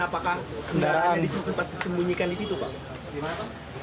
apakah kendaraan ada di tempat disembunyikan di situ pak